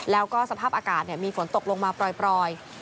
แล้วก็สภาพอากาศมีฝนตกลงมาปล่อย